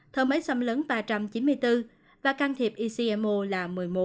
thơ máy xăm lớn ba trăm chín mươi bốn và can thiệp ecmo là một mươi một